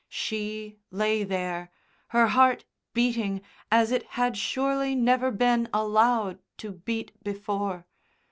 She lay there, her heart beating as it had surely never been allowed to beat before.